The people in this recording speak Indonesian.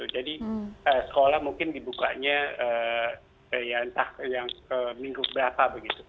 jadi sekolah mungkin dibukanya entah minggu keberapa